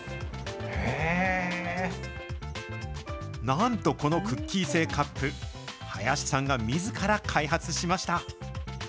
なんとこのクッキー製カップ、林さんがみずから開発しました。